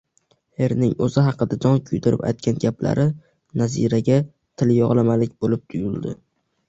Erining o`zi haqida jon kuydirib aytgan gaplari Naziraga tilyog`lamalik bo`lib tuyuldi